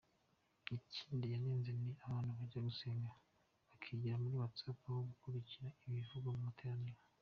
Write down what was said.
Ikindi yanenze ni abantu bajya gusenga bakigira muri Whatsapp aho gukurikirana ibivugirwa mu materaniro.